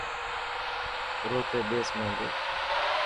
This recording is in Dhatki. ارو ٿي ٻيسن مانجي.